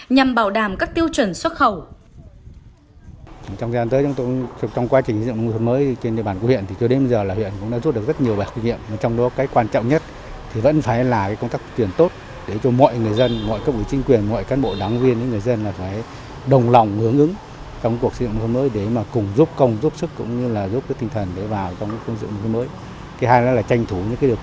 nhằm bảo đảm các tiêu chuẩn xuất khẩu